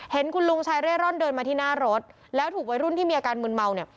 เห็นคุณลุงชายเร่ร่อนเดินมาที่หน้ารถแล้วถูกวัยรุ่นที่มีอาการมืนเมาเนี่ย